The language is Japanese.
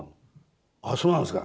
「ああそうなんですか」。